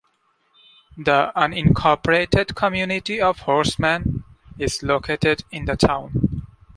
The unincorporated community of Horseman is located in the town.